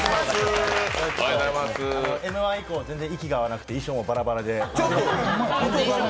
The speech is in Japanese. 「Ｍ−１」以降、全然息が合わなくて、衣装もバラバラで。